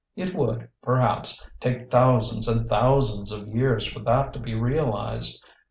It would, perhaps, take thousands and thousands of years for that to be realized.